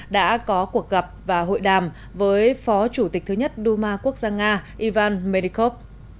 đã có cuộc gặp và hội đàm với phó chủ tịch thứ nhất đu ma quốc gia nga ivan menikov